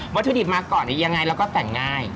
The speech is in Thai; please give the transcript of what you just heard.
วัตถุดิบมาก่อนอย่างไรเราก็แต่ง่าย